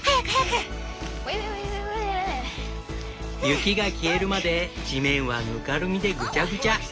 雪が消えるまで地面はぬかるみでぐちゃぐちゃ。